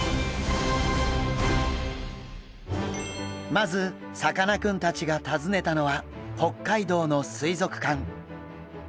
まずさかなクンたちが訪ねたのは北海道の水族館。